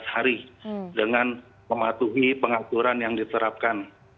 empat belas hari dengan mematuhi pengaturan yang diterapkan